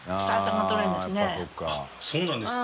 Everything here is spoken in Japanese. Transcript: そうなんですか。